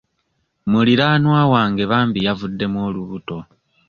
Muliraanwa wange bambi yavuddemu olubuto.